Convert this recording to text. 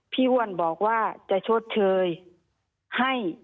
อ้วนบอกว่าจะชดเชยให้